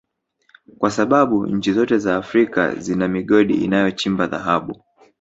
kwa sababu nchi zote za Afrika zina migodi inayochimba Dhahabu